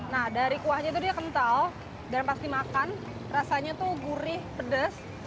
nah dari kuahnya itu dia kental dan pas dimakan rasanya tuh gurih pedas